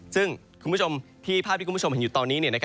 ซึ่งคุณผู้ชมที่ภาพที่คุณผู้ชมเห็นอยู่ตอนนี้